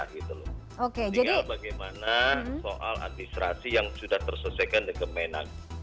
tinggal bagaimana soal administrasi yang sudah terselesaikan dengan menang